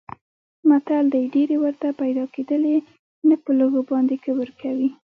متل دی: ډېرې ورته پیدا کېدلې نه په لږو باندې کبر کوي.